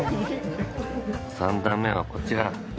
３段目はこちら。